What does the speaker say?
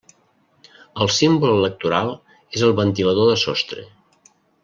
El símbol electoral és el ventilador de sostre.